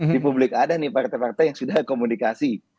di publik ada nih partai partai yang sudah komunikasi